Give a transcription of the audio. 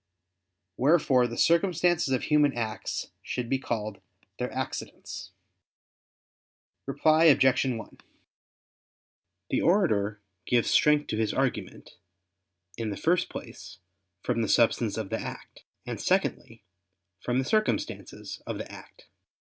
Wherefore the circumstances of human acts should be called their accidents. Reply Obj. 1: The orator gives strength to his argument, in the first place, from the substance of the act; and secondly, from the circumstances of the act.